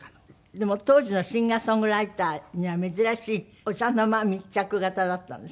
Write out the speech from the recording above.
でも当時のシンガー・ソングライターには珍しいお茶の間密着型だったんですか？